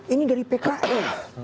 ini dari pks